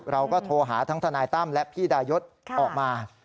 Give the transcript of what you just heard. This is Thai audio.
เราก็โทรหาทั้งทนายตั้มและพี่ดายศออกมา